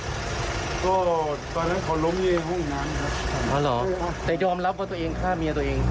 อ๋อเหรอแต่ยอมรับว่าตัวเองฆ่าเมียตัวเอง